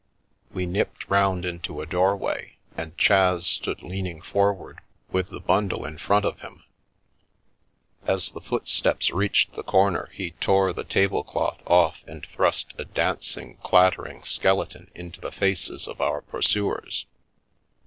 We nipped round into a doorway, and Chas stood leaning forward with the bundle in front of him. As the footsteps reached the corner he tore the table cloth off and thrust a dancing, clattering skeleton into the faces of our pursuers.